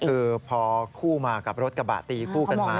คือพอคู่มากับรถกระบะตีคู่กันมา